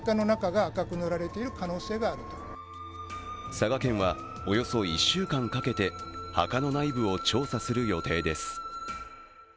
佐賀県はおよそ１週間かけて墓の内部を調査する予定です。